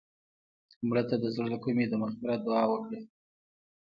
مړه ته د زړه له کومې د مغفرت دعا وکړه